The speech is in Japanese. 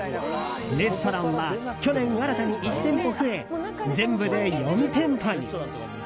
レストランは去年新たに１店舗増え、全部で４店舗に。